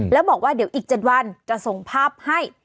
แล้วบอกว่าเดี๋ยวอีก๗วันจะส่งภาพให้